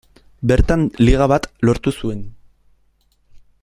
Bertan Liga bat lortu zuen.